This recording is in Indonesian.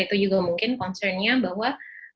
itu juga mungkin concernnya bahwa